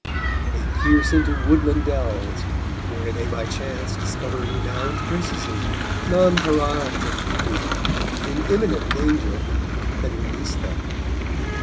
They pierce into woodland dells, where they by chance discover renowned princesses, nonpareils of beauty, in imminent danger, and release them.